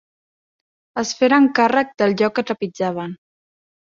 Es feren càrrec del lloc que trepitjaven.